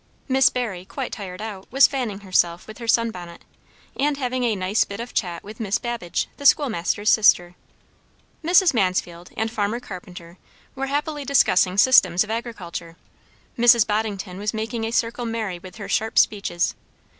Miss Barry, quite tired out, was fanning herself with her sun bonnet, and having a nice bit of chat with Miss Babbage, the schoolmaster's sister. Mrs. Mansfield and farmer Carpenter were happily discussing systems of agriculture. Mrs. Boddington was making a circle merry with her sharp speeches.